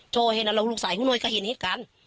เจ้าเห็นแล้วลูกสายของหน่วยก็เห็นเหตุการณ์